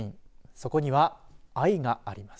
そこには愛があります。